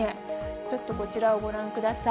ちょっとこちらをご覧ください。